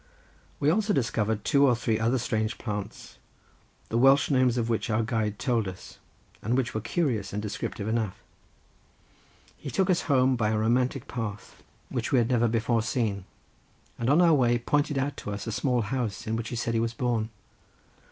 We also discovered two or three other strange plants, the Welsh names of which our guide told us, and which were curious and descriptive enough. He took us home by a romantic path which we had never before seen, and on our way pointed out to us a small house in which he said he was born.